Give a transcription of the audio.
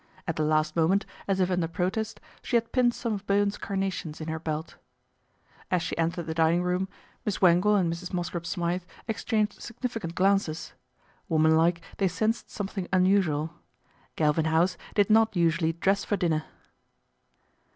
At the last moment, as if under protest, she had pinned some oi Bowen's carnations in her belt. As she entered the dining room, Miss Wangle 60 PATRICIA BRENT, SPINSTER and Mrs. Mosscrop Smythe exchanged significant glances. Woman like they sensed something un usual. Galvin House did not usually dress for dinner.